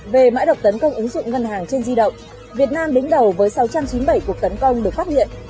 về mã độc tấn công ứng dụng ngân hàng trên di động việt nam đứng đầu với sáu trăm chín mươi bảy cuộc tấn công được phát hiện